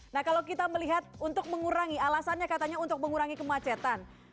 nah kalau kita melihat untuk mengurangi alasannya katanya untuk mengurangi kemacetan